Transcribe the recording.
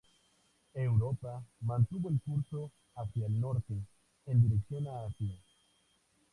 Europa mantuvo el curso hacia el norte en dirección a Asia.